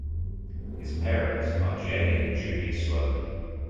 His parents are Jay and Judi Sloman.